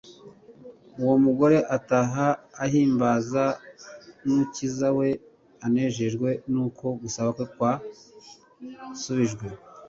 Uwo mugore ataha ahimbaza Uznukiza we, anejejwe nuko gusaba kwe kwasubijwe.